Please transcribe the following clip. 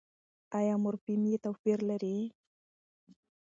ایا مورفیم يې توپیر لري؟